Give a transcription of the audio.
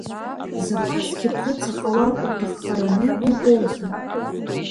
Заҟа зқьы бӷьыц аҟауар уҭаххараны иҟоузеи?